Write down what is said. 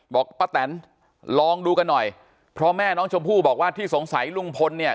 บอกป้าแตนลองดูกันหน่อยเพราะแม่น้องชมพู่บอกว่าที่สงสัยลุงพลเนี่ย